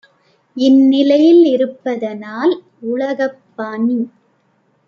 இந்நிலையி லிருப்பதனால் உலகப்பாநீ